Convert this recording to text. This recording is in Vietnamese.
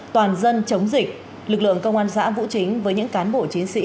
toàn dân chống dịch lực lượng công an xã vũ chính với những cán bộ chiến sĩ